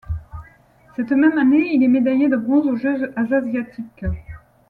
Cette même année, il est médaillé de bronze aux Jeux asiatiques.